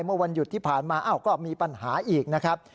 เมื่อวันหยุดที่ผ่านมาอ้าวก็มีปัญหาอีกนะครับ